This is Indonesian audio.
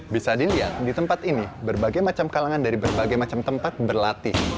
bisa dilihat di tempat ini berbagai macam kalangan dari berbagai macam tempat berlatih